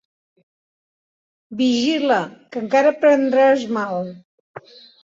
Vigila, que encara prendràs mal.